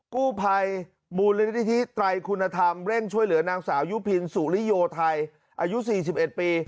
กู้ภัยมูลนิธิไตรคุณธรรมเร่งช่วยเหลือนางสาวยุพินสุริโยไทยอายุ๔๑ปี